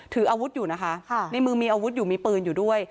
ถืออาวุธอยู่นะคะในมือมีอาวุธอยู่มีปืนอยู่ด้วย